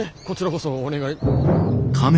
こちらこそお願い